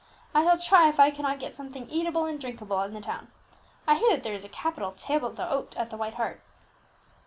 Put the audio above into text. I shall try if I cannot get something eatable and drinkable in the town; I hear that there is a capital table d'hôte at the White Hart."